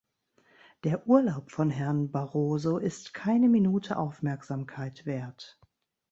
Der Urlaub von Herrn Barroso ist keine Minute Aufmerksamkeit wert.